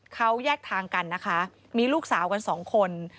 เขาแยกทางกันนะคะมีลูกสาวกันสองคน